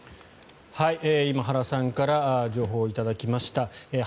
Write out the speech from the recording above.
今、原さんから情報を頂きました。